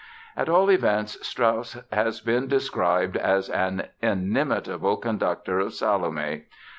At all events, Strauss has been described as an inimitable conductor of Salome.